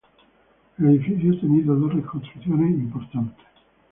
El edificio ha tenido dos reconstrucciones importantes.